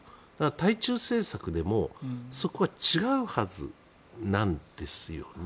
対中政策でもそこは違うはずなんですよね。